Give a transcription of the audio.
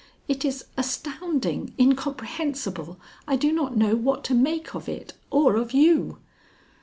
It is astounding incomprehensible! I do not know what to make of it or of you."